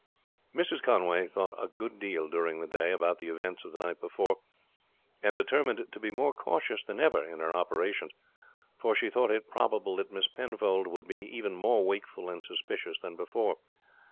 Mrs. Conway thought a good deal during the day about the events of the night before, and determined to be more cautious than ever in her operations; for she thought it probable that Miss Penfold would be even more wakeful and suspicious than before.